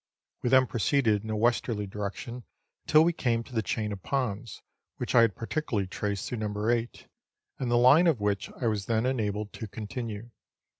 We then proceeded in a westerly direction until we came to the chain of ponds, which I had par ticularly traced through No. 8, and the line of which I was then enabled to continue.